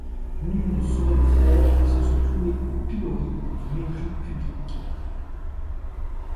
Nul ne saurait le faire sans se clouer au pilori du mépris public.